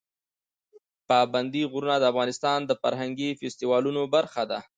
پابندی غرونه د افغانستان د فرهنګي فستیوالونو برخه ده.